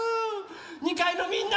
２かいのみんな！